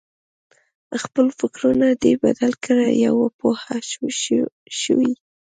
خپل فکرونه دې بدل کړه پوه شوې!.